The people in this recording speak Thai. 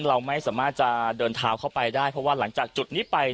เราไม่สามารถจะเดินเท้าเข้าไปได้เพราะว่าหลังจากจุดนี้ไป